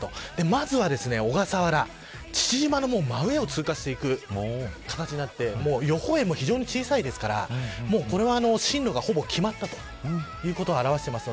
まずは小笠原父島の真上を通過していく形になって予報円も非常に小さいですからこれは進路が、ほぼ決まったということを表しています。